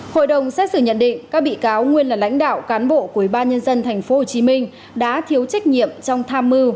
hội đồng xét xử nhận định các bị cáo nguyên là lãnh đạo cán bộ của ubnd tp hcm đã thiếu trách nhiệm trong tham mưu